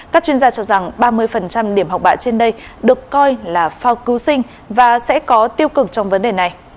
các chuyên gia cho rằng ba mươi điểm học bạ trên đây được coi là phao cứu sinh và sẽ có tiêu cực trong vấn đề này